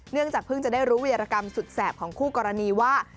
เนื่องจากเพิ่งจะได้รู้วิรากรรมสุดแสบของคู่กรณีว่า